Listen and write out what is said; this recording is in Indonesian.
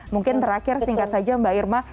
mungkin terakhir singkat saja mbak irma